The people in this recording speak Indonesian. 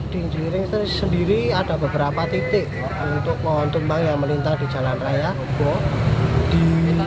tidak ada korban jiwa ini